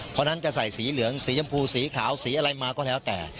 เพราะฉะนั้นจะใส่สีเหลืองสีชมพูสีขาวสีอะไรมาก็แล้วแต่